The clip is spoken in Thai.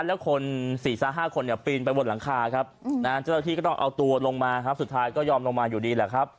แล้ว๔๕คนปีนไปบนหลังคาที่ต้องเอาตัวลงมาสุดท้ายก็ยอมลงมาอยู่ดี